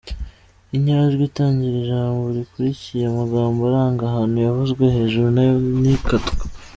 Inyajwi itangira ijambo rikurikiye amagambo aranga ahantu yavuzwe hejuru na yo ntikatwa.